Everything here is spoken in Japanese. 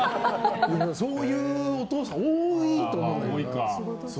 そういうお父さん多いと思うよ。